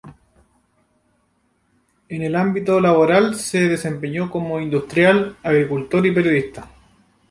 En el ámbito laboral, se desempeñó como industrial, agricultor y periodista.